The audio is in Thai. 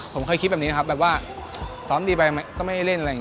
ผมเคยคิดแบบนี้นะครับแบบว่าซ้อมดีไปก็ไม่ได้เล่น